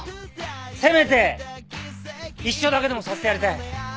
せめて１勝だけでもさせてやりたい。